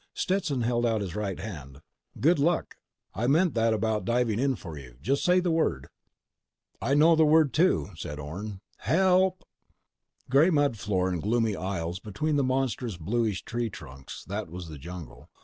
Stetson held out his right hand. "Good luck. I meant that about diving in for you. Just say the word." "I know the word, too," said Orne. "HELP!" Gray mud floor and gloomy aisles between monstrous bluish tree trunks—that was the jungle.